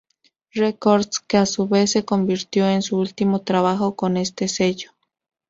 Records, que a su vez se convirtió en su último trabajo con este sello.